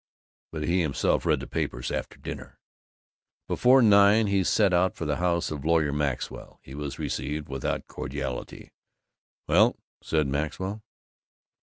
But he himself read the papers, after dinner. Before nine he set out for the house of Lawyer Maxwell. He was received without cordiality. "Well?" said Maxwell.